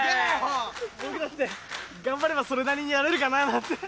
僕だって頑張ればそれなりにやれるかななんて。